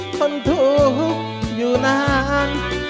คนถูกอยู่นาง